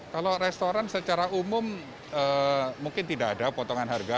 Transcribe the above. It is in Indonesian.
kalau restoran secara umum mungkin tidak ada potongan harga